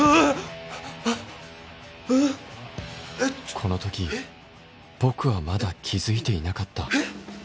この時僕はまだ気づいていなかった